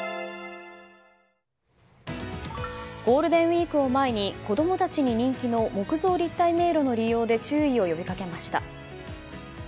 ゴールデンウィークを前に子供たちに人気の木造立体迷路の利用で注意を呼びかけました。